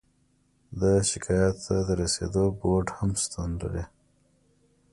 د شکایاتو ته د رسیدو بورد هم شتون لري.